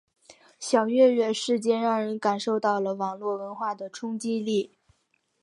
小月月事件让人感受到了网络文化的冲击力。